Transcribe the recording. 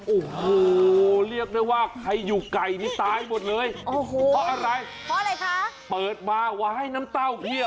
โอ้โหเรียกได้ว่าไอ้อยู่ไก่นี่ตายหมดเลย